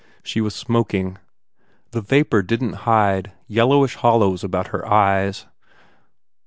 She was smoking. The vapour didn t hide yellowish hollows about her eyes.